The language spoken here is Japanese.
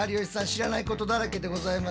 知らないことだらけでございましたね。